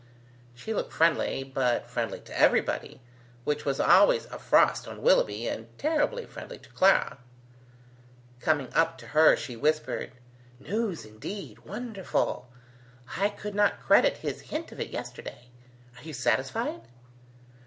She looked friendly, but friendly to everybody, which was always a frost on Willoughby, and terribly friendly to Clara. Coming up to her she whispered: "News, indeed! Wonderful! I could not credit his hint of it yesterday. Are you satisfied?"